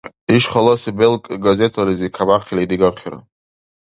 Иш халаси белкӀ газетализи кабяхъили дигахъира.